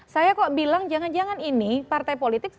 saya kok bilang jangan jangan ini partai politik